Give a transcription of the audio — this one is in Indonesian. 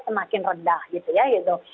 semakin rendah gitu ya gitu